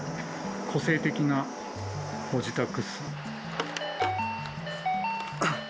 個性的なご自宅。